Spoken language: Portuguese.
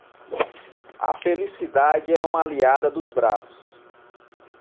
A felicidade é uma aliada dos bravos.